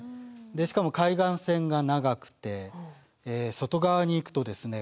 しかも海岸線が長くて外側に行くとですね